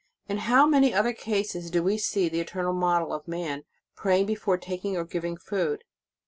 * In how many other cases do we see the Eternal Model of man, praying before taking or giving food!